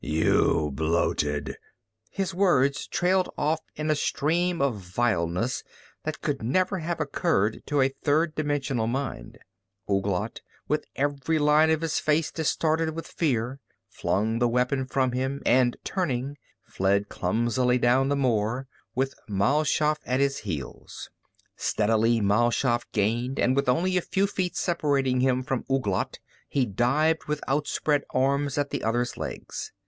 You bloated...." His words trailed off into a stream of vileness that could never have occurred to a third dimensional mind. Ouglat, with every line of his face distorted with fear, flung the weapon from him, and turning, fled clumsily down the moor, with Mal Shaff at his heels. Steadily Mal Shaff gained and with only a few feet separating him from Ouglat, he dived with outspread arms at the other's legs.